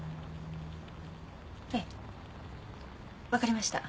ええ。わかりました。